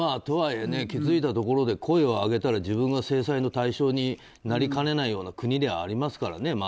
とはいえ、気づいたところで声をあげたら自分が制裁の対象になりかねないような国ではありますからね。